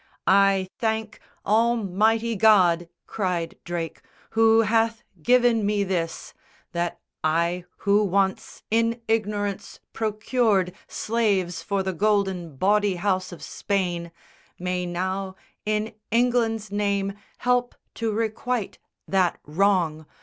"I thank Almighty God," cried Drake, "who hath given me this That I who once, in ignorance, procured Slaves for the golden bawdy house of Spain, May now, in England's name, help to requite That wrong.